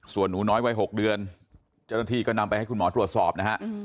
ส่วนหนูน้อยวัย๖เดือนเจ้าหน้าที่ก็นำไปให้คุณหมอตรวจสอบนะฮะ